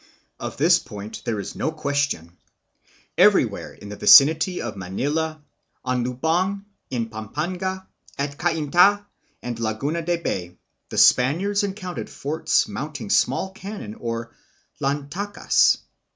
Of this point there is no ques tion. Everywhere in the vicinity of Manila, on Lubang, in Pampanga, at Cainta and Laguna de Bay, the Span iards encountered forts mounting small cannon, or "lan takas."